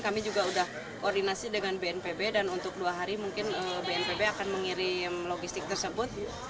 kami juga sudah koordinasi dengan bnpb dan untuk dua hari mungkin bnpb akan mengirim logistik tersebut